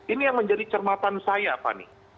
ini yang menjadi cermatan saya fani